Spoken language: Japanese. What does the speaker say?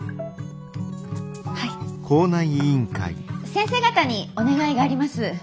先生方にお願いがあります。